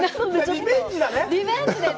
リベンジだね。